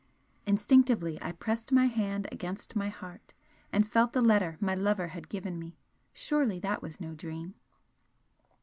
Instinctively I pressed my hand against my heart and felt the letter my 'lover' had given me surely that was no dream?